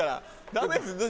ダメです。